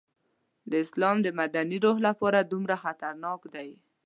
د اسلام د مدني روح لپاره دومره خطرناک دی.